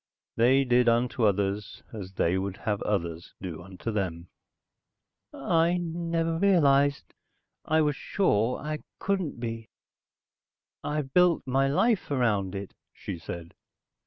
They did unto others, as they would have others do unto them." "I never realized I was sure I couldn't be.... I've built my life around it," she said.